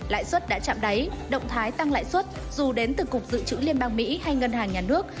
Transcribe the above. lãi suất đã chạm đáy động thái tăng lãi suất dù đến từ cục dự trữ liên bang mỹ hay ngân hàng nhà nước